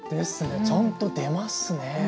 ちゃんと出ますね。